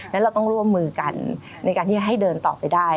และเราต้องร่วมมือกันในการที่จะให้เดินต่อไปได้